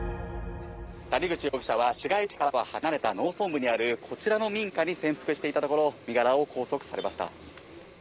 谷口容疑者は市街地からは離れた農村部にあるこちらの民家に潜伏していたところ、身柄を拘束されました。